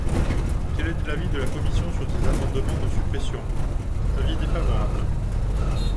Quel est l’avis de la commission sur ces amendements de suppression ? Avis défavorable.